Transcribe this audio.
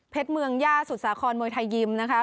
เมืองย่าสุดสาครมวยไทยยิมนะคะ